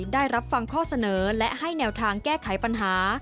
ได้รับฟังข้อเสนอและให้แนวทางแก้ไขปัญหา